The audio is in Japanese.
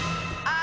あ！